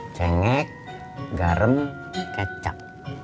cengik garam kecap